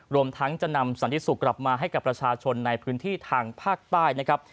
รวมทั้งจะนำสันติสุขกลับมาให้กับประชาชนในพื้นที่ทางภาคใต้นะครับ